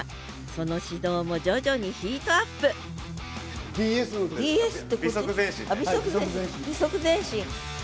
その指導も徐々にヒートアップ微速前進。